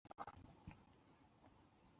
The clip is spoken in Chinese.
加强学生安全管理